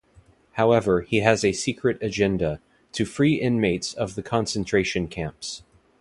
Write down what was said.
However, he has a secret agenda: to free inmates of the concentration camps.